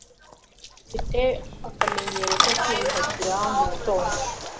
Mfite akamenyero ko kwiyuhagira mugitondo.